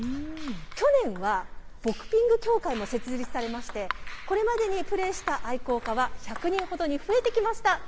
去年はボクピング協会も設立されまして、これまでにプレーした愛好家は１００人ほどに増えてきました。